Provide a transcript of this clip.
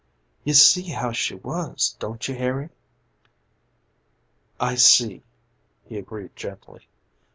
"You see how she was, don't you Harry?" "I see," he agreed gently.